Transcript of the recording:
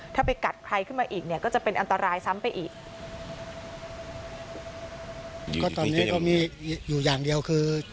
ถ้าไปกัดใครขึ้นมาอีกก็จะเป็นอันตรายซ้ำไปอีก